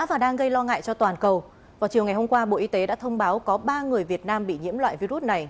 vào chiều ngày hôm qua bộ y tế đã thông báo có ba người việt nam bị nhiễm loại virus này